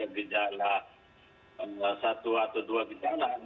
yang kedua untuk kasus kasus setiap reaksi covid sembilan belas ada di dalam satu atau dua di dalam